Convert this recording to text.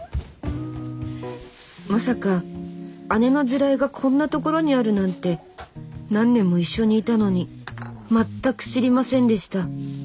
まさか姉の地雷がこんなところにあるなんて何年も一緒にいたのに全く知りませんでした。